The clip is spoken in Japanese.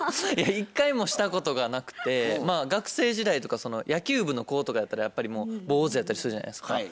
一回もしたことがなくて学生時代とか野球部の子とかやったらやっぱりもう坊主やったりするじゃないですか。